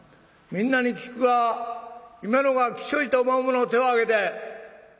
みんなに聞くが今のがきしょいと思う者手を挙げて。